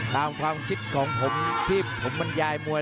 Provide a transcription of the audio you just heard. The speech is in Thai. ความคิดของผมที่ว่าผมมันยายมวย